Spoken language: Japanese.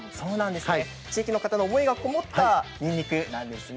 地域の方の思いがこもったにんにくなんですね。